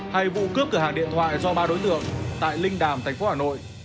hay vụ cướp cửa hàng điện thoại do ba đối tượng tại linh đàm tp hà nội